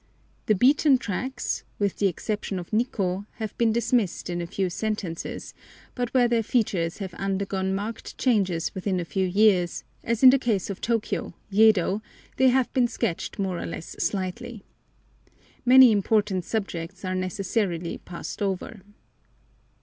The "beaten tracks," with the exception of Nikkô, have been dismissed in a few sentences, but where their features have undergone marked changes within a few years, as in the case of Tôkiyô (Yedo), they have been sketched more or less slightly. Many important subjects are necessarily passed over.